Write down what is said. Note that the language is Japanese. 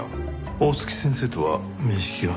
大槻先生とは面識が？